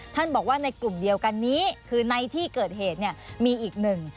บอกว่าในกลุ่มเดียวกันนี้คือในที่เกิดเหตุเนี่ยมีอีกหนึ่ง